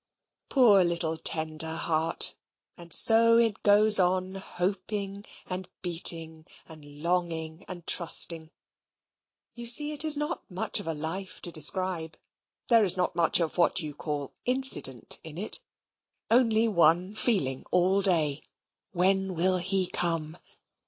Poor little tender heart! and so it goes on hoping and beating, and longing and trusting. You see it is not much of a life to describe. There is not much of what you call incident in it. Only one feeling all day when will he come?